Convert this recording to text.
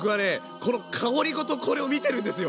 この香りごとこれを見てるんですよ！